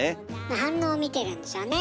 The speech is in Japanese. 反応を見てるんでしょうね